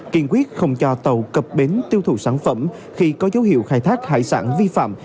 kiên quyết không cho tàu cập bến tiêu thụ sản phẩm khi có dấu hiệu khai thác hải sản vi phạm